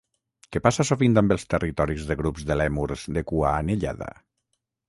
Què passa sovint amb els territoris de grups de lèmurs de cua anellada?